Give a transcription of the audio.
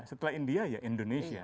setelah india ya indonesia